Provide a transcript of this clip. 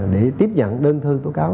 để tiếp nhận đơn thư tố cáo